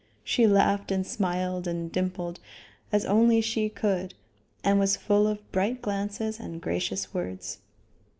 She laughed and smiled and dimpled, as only she could, and was full of bright glances and gracious words.